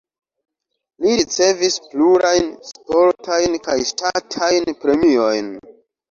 Li ricevis plurajn sportajn kaj ŝtatajn premiojn.